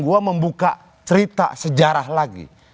gue membuka cerita sejarah lagi